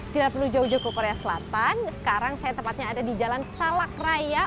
tidak perlu jauh jauh ke korea selatan sekarang saya tepatnya ada di jalan salak raya